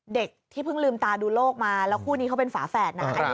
เด็กที่เพิ่งลืมตาดูโลกมาแล้วคู่นี้เขาเป็นฝาแฝดนะ